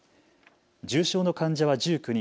重症の患者は１９人。